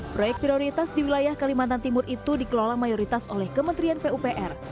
proyek prioritas di wilayah kalimantan timur itu dikelola mayoritas oleh kementerian pupr